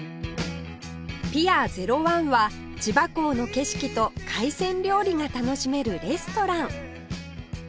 ピア −０１ は千葉港の景色と海鮮料理が楽しめるレストラン